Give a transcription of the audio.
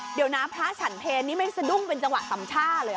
เดี๋ยวนะพระฉันเพลนี่ไม่สะดุ้งเป็นจังหวะสำช่าเลยเห